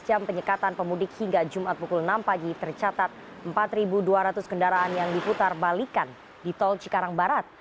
jam penyekatan pemudik hingga jumat pukul enam pagi tercatat empat dua ratus kendaraan yang diputar balikan di tol cikarang barat